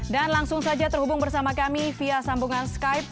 dan langsung saja terhubung bersama kami via sambungan skype